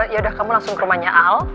yaudah kamu langsung ke rumahnya al